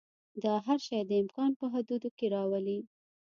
دا هر شی د امکان په حدودو کې راولي.